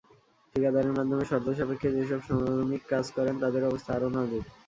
ঠিকাদারের মাধ্যমে শর্ত সাপেক্ষে যেসব শ্রমিক কাজ করেন, তাঁদের অবস্থা আরও নাজুক।